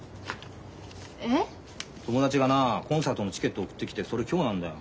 友達がなコンサートのチケット送ってきてそれ今日なんだよ。